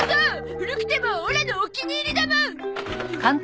古くてもオラのお気に入りだもん！